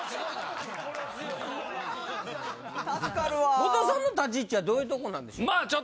後藤さんの立ち位置はどういうとこなんでしょう？